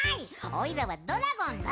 おいらはドラゴンだ！